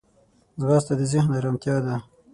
ځغاسته د ذهن ارمتیا ده